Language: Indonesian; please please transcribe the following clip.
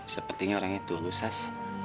sepertinya orangnya tuhlu sas